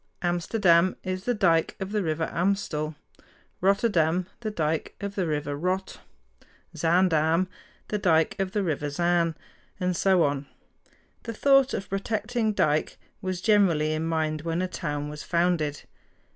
Amsterdam is the "dike" of the River Amstel (ahm´ stel); Rotterdam, the "dike" of the River Rotte; Zaandam (zahn dahm´), the "dike" of the River Zaan and so on. The thought of the protecting dike was generally in mind when a town was founded.